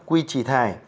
quy trì thải